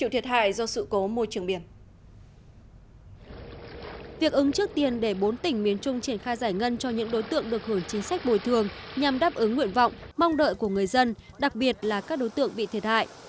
việc ứng trước tiền để bốn tỉnh miền trung triển khai giải ngân cho những đối tượng được hưởng chính sách bồi thường nhằm đáp ứng nguyện vọng mong đợi của người dân đặc biệt là các đối tượng bị thiệt hại